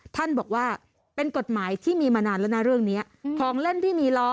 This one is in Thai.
ท่านบอกว่าเป็นกฎหมายที่มีมานานแล้วนะเรื่องนี้ของเล่นที่มีล้อ